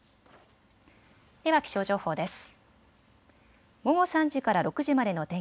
では気象情報です。